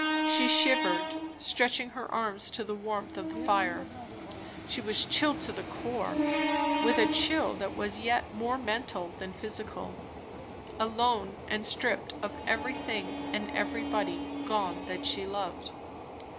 She shivered, she stretched her arms to the warmth of the fire, she was chilled to the core, with a chill that was yet more mental than physical Alone, and stripped of everything, and everybody gone that she loved.